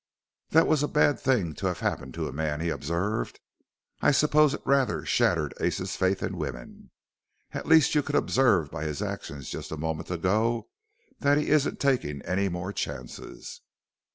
"That was a bad thing to have happen to a man," he observed; "I suppose it rather shattered Ace's faith in woman. At least you could observe by his actions just a moment ago that he isn't taking any more chances."